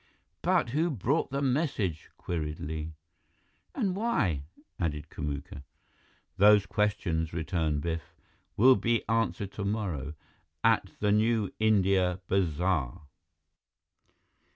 "But who brought the message?" queried Li. "And why?" added Kamuka. "Those questions," returned Biff, "will be answered tomorrow, at the New India Bazaar!"